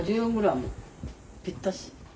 ぴったし。